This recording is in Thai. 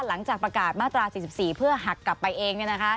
หลังจากประกาศมาตรา๔๔เพื่อหักกลับไปเอง